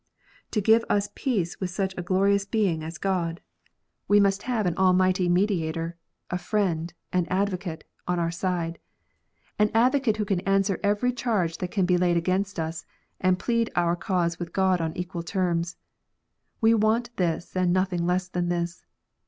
To give us peace with such a glorious being as God, we must ONLY ONE WAY OF SALVATION. 33 have an almighty Mediator, a Friend and Advocate on our side, an Advocate who can answer every charge that can be laid against us, and plead our cause with God on equal terms. We want this, and nothing less than this.